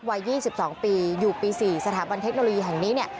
วัย๒๒ปีอยู่ปี๔สถาบันเทคโนโลยีแห่งนี้เนี่ย